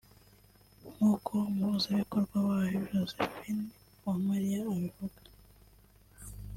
nk’uko umuhuzabikorwa wayo Josephine Uwamariya abivuga